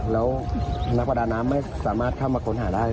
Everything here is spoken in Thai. แล้วนักประดาน้ำไม่สามารถเข้ามาค้นหาได้